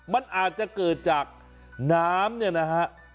มันอาจจะเกิดจากน้ำเนี่ยนะฮะ